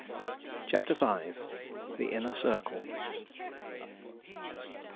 CHAPTER V. THE INNER CIRCLE.